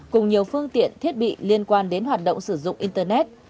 cùng nhiều phương tiện thiết bị liên quan đến hoạt động sử dụng internet